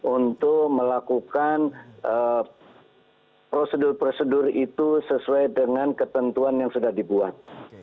untuk melakukan prosedur prosedur itu sesuai dengan ketentuan yang sudah dibuat